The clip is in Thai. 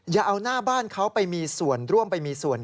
อย่าเอาหน้าบ้านเขาไปมีส่วนร่วมไปมีส่วน